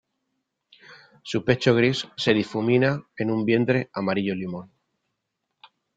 Su pecho gris se difumina en un vientre amarillo limón.